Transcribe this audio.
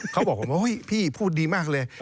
เขาบอกผมว่าเฮ้ยพี่พูดดีมากเลย